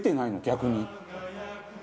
逆に。